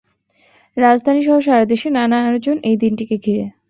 রাজধানী সহ সারা দেশে নানা আয়োজন এই দিনটিকে ঘিরে।